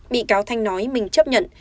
bị cáo thanh nói mình chấp nhận